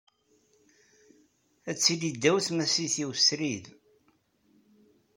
Ad tili ddaw tmasit-iw srid.